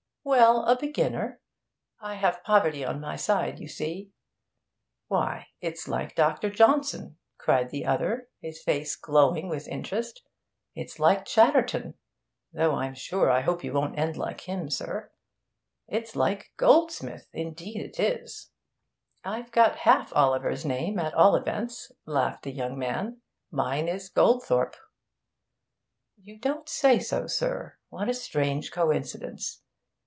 'Well, a beginner. I have poverty on my side, you see.' 'Why, it's like Dr. Johnson!' cried the other, his face glowing with interest. 'It's like Chatterton! though I'm sure I hope you won't end like him, sir. It's like Goldsmith! indeed it is!' 'I've got half Oliver's name, at all events,' laughed the young man. 'Mine is Goldthorpe.' 'You don't say so, sir! What a strange coincidence!